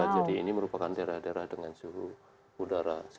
jadi ini merupakan daerah daerah dengan suhu udara sekitar tiga puluh lima derajat